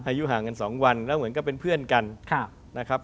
อายุห่างกัน๒วันแล้วเหมือนก็เป็นเพื่อนกันนะครับ